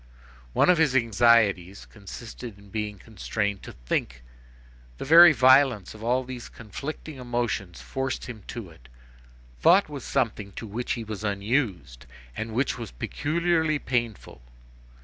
One of his anxieties consisted in being constrained to think. The very violence of all these conflicting emotions forced him to it. Thought was something to which he was unused, and which was peculiarly painful.